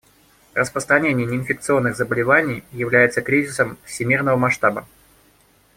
Распространение неинфекционных заболеваний является кризисом всемирного масштаба.